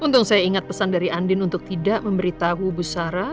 untung saya ingat pesan dari andien untuk tidak memberitahu bu sara